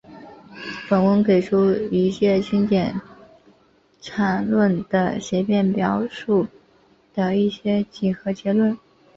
本文给出一阶经典场论的协变表述的一些几何结构。